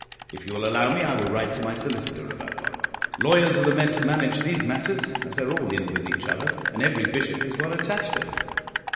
If you will allow me I will write to my solicitor about one. Lawyers are the men to manage these matters, as they are all in with each other, and every bishop has one attached to him."